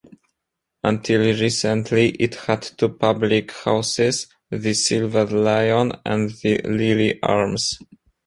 Until recently it had two public houses, the Silver Lion and the Lilley Arms.